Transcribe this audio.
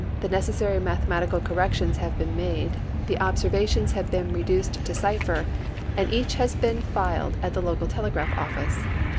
the necessary mathematical corrections have been made, the observations have been red.uced to cii)her, and each has been filed at the local telegraph oflice.